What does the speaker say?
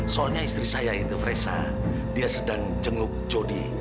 soalnya istri saya itu fresa dia sedang jengluk jodi